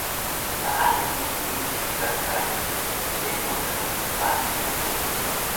Saangal mu Ruingci ka kari rnengo na baki mu